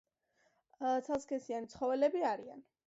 ცალსქესიანი ცხოველები არიან.